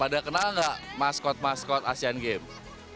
pada kenal nggak maskot maskot asian games